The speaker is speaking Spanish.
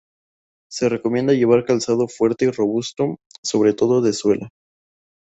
Se recomienda llevar calzado fuerte y robusto, sobre todo de suela.